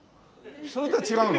それとは違うの？